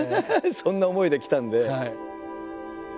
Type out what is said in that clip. そんな思いで来たんで。